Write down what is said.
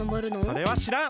それはしらん。